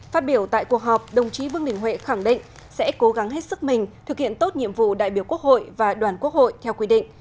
phát biểu tại cuộc họp đồng chí vương đình huệ khẳng định sẽ cố gắng hết sức mình thực hiện tốt nhiệm vụ đại biểu quốc hội và đoàn quốc hội theo quy định